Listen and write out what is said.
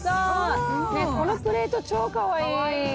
・このプレート超かわいい。